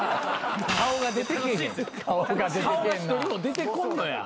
顔が一人も出てこんのや。